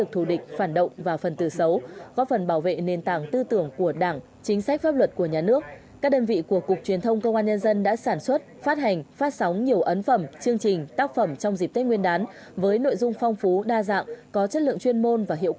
thượng tướng mai văn hà cục trưởng công an nhân dân chủ trì hội nghị